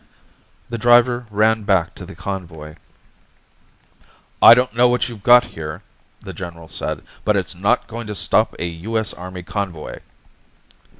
The driver ran back to the convoy. "I don't know what you've got here," the general said. "But it's not going to stop a U.S. Army convoy."